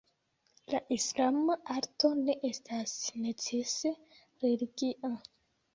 La islama arto ne estas necese religia.